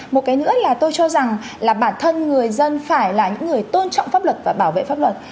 một cái nữa là tôi cho rằng là bản thân người dân phải là những người tôn trọng pháp luật và bảo vệ pháp luật